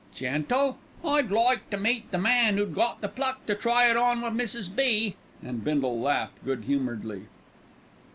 Gentle! I'd like to meet the man 'oo'd got the pluck to try it on wi' Mrs. B." And Bindle laughed good humouredly.